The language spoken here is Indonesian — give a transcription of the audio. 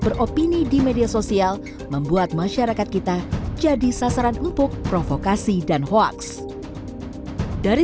beropini di media sosial membuat masyarakat kita jadi sasaran empuk provokasi dan hoaks dari